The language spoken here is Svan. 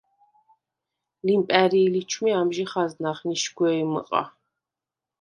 ლიმპა̈რი̄ ლიჩვმე ამჟი ხაზნახ ნიშგვეჲმჷყ-ა: